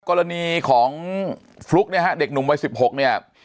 กรณีของฟลุ๊กเนี่ยฮะเด็กหนุ่มวัย๑๖เนี่ย